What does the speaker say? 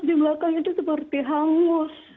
di belakang itu seperti hangus